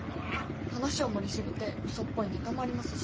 話を盛り過ぎてうそっぽいネタもありますし。